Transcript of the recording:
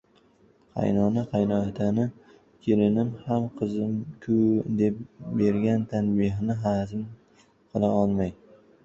qaynona-qaynotani kelinim ham qizim-ku deb bergan tanbehini xazm qila olmay